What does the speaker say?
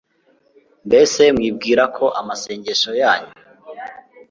Mbese mwibwira ko amasengesho yanyu